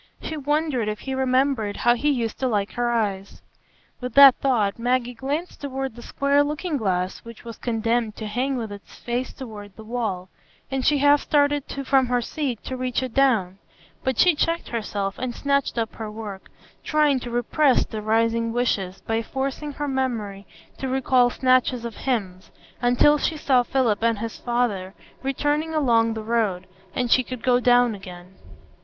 She wondered if he remembered how he used to like her eyes; with that thought Maggie glanced toward the square looking glass which was condemned to hang with its face toward the wall, and she half started from her seat to reach it down; but she checked herself and snatched up her work, trying to repress the rising wishes by forcing her memory to recall snatches of hymns, until she saw Philip and his father returning along the road, and she could go down again.